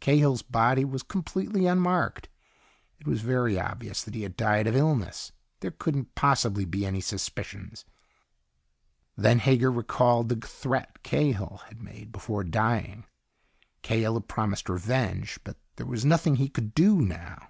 Cahill's body was completely unmarked. It was very obvious that he had died of illness. There couldn't possibly be any suspicions. Then Hager recalled the threat Cahill had made before dying. Cahill had promised revenge, but there was nothing he could do now.